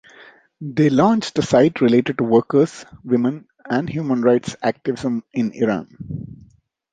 They launched the site related to workers, women and human rights activism in Iran.